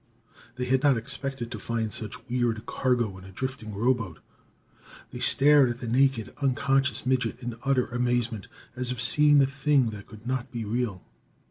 They had not expected to find such weird cargo in a drifting rowboat. They stared at the naked, unconscious midget in utter amazement, as if seeing a thing that could not be real.